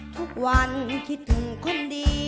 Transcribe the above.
ทุกวันคิดถึงคนดี